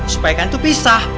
supaya kan tuh pisah